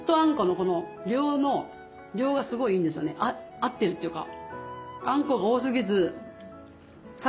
合ってるっていうか。